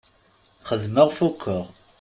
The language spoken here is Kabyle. Xedmeɣ fukeɣ.